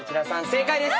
正解です。